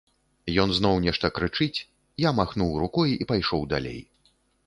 Ён зноў нешта крычыць, я махнуў рукой і пайшоў далей.